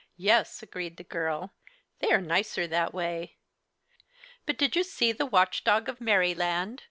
"Yes," agreed the girl, "they are nicer that way. But did you see the Watch Dog of Merryland?"